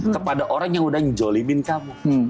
kepada orang yang udah ngejolimin kamu